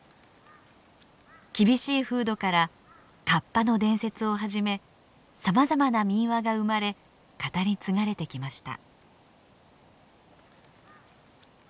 厳しい風土からカッパの伝説をはじめさまざまな民話が生まれ語り継がれてきました。